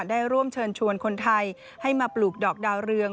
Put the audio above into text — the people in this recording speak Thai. ได้ร่วมเชิญชวนคนไทยให้มาปลูกดอกดาวเรือง